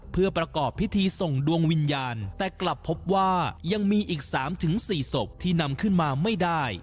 เพื่อประกอบพิธีส่งดวงวิญญาณแต่กลับพบว่ายังมีอีก๓๔ศพที่นำขึ้นมาไม่ได้